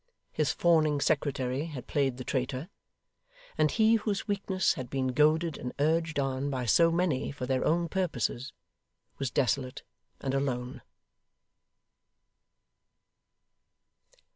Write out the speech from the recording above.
His fawning secretary had played the traitor; and he whose weakness had been goaded and urged on by so many for their own purposes, was desolate and alone.